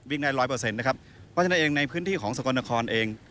ได้ร้อยเปอร์เซ็นต์นะครับเพราะฉะนั้นเองในพื้นที่ของสกลนครเอง